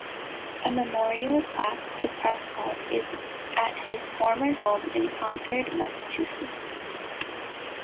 A memorial plaque to Prescott is at his former home in Concord, Massachusetts.